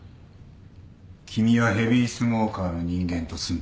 君はヘビースモーカーの人間と住んでいる。